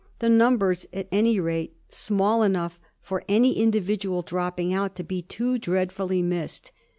The number's at any rate small enough for any individual dropping out to be too dreadfully missed.